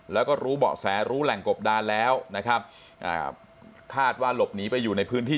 แล้วก็รู้เบาะแสรู้แหล่งกบดานแล้วนะครับอ่าคาดว่าหลบหนีไปอยู่ในพื้นที่